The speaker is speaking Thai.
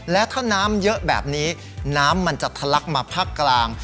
และถ้าน้ำเยอะแบบนี้น้ำมันจะทะลักมาภาคกลาง